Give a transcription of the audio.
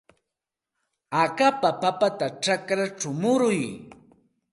Akapa papata chakrachaw muruy.